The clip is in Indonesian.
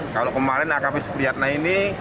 kalau kemarin akb supriyatna ini